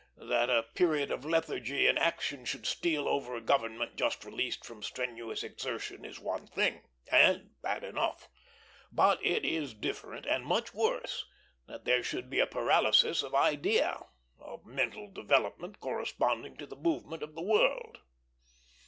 That a period of lethargy in action should steal over a government just released from strenuous exertion is one thing, and bad enough; but it is different, and much worse, that there should be a paralysis of idea, of mental development corresponding to the movement of the world.